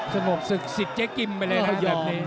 สงบศึกสิทธิ์เจ๊กิมไปเลยนะ